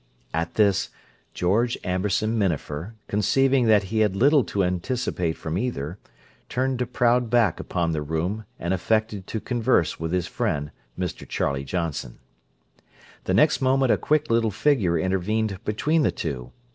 At this, George Amberson Minafer, conceiving that he had little to anticipate from either, turned a proud back upon the room and affected to converse with his friend, Mr. Charlie Johnson. The next moment a quick little figure intervened between the two.